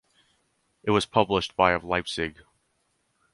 It was published by of Leipzig.